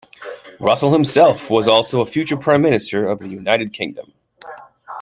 Russell himself was also a future Prime Minister of the United Kingdom.